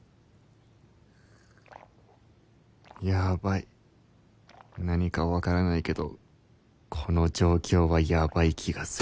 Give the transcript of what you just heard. ヤバい何か分からないけどこの状況はヤバい気がする